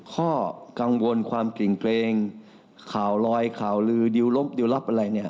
ข้อกังวลความกริ่งเกรงข่าวลอยข่าวลือดิวลบดิวลับอะไรเนี่ย